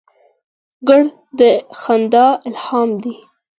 ګل د خندا الهام دی.